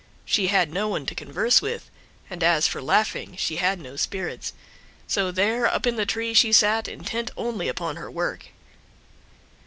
She had no one to converse with, and as for laughing she had no spirits, so there up in the tree she sat, intent only upon her work.